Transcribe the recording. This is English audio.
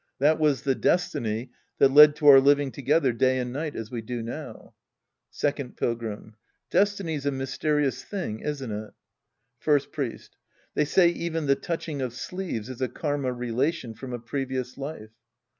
That was the destiny that led to our living together day and night as we do now. Second Pilgnui. Destiny's a mysterious thing, isn't it ? First Priest. They say even the touching of sleeves is a karma relation from a previous life.